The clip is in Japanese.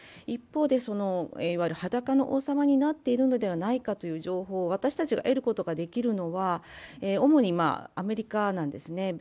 一方で、裸の王様になっているのではいかという情報を私たちが得ることができるのは、主にアメリカなんですね。